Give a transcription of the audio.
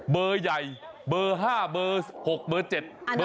เบอร์ใหญ่เบอร์ห้าเบอร์หกเบอร์เจ็ด